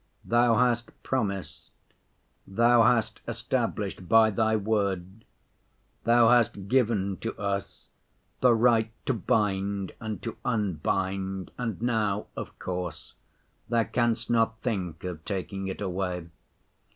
Thou hast promised, Thou hast established by Thy word, Thou hast given to us the right to bind and to unbind, and now, of course, Thou canst not think of taking it away.